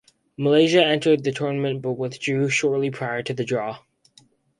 Malaysia entered the tournament but withdrew shortly prior to the draw.